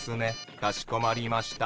かしこまりました。